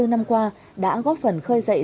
bảy mươi bốn năm qua đã góp phần khơi dậy